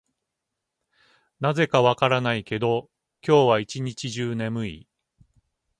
なぜか分からないけど、今日は一日中眠い。